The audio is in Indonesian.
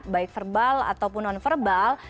baik verbal ataupun non verbal